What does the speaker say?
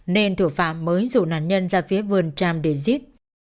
nên thủ phạm mới rủ nạn nhân ra phía vườn tràm để giết